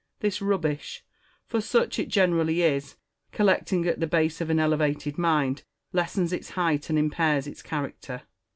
This rubbish, for such it generally is, collecting at the base of an elevated mind, lessens its height and impairs its character.